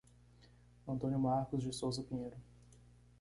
Antônio Marcos de Souza Pinheiro